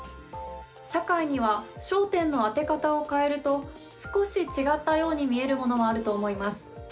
社会には焦点の当て方を変えると少し違ったように見えるものもあると思います。